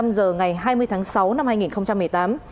một mươi năm h ngày hai mươi tháng sáu năm hai nghìn một mươi tám